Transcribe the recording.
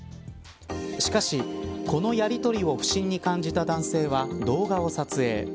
しかし、このやりとりを不審に感じた男性は動画を撮影。